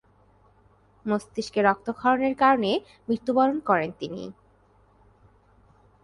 মস্তিষ্কে রক্তক্ষরণের কারণে মৃত্যু বরণ করেন তিনি।